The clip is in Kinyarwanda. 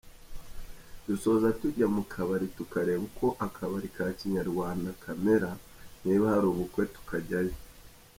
Dusoza tujya mu kabari tukareba uko akabari ka Kinyarwanda kamera, niba hari ubukwe tukajyayo.